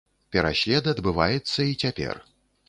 Пераслед адбываецца і цяпер.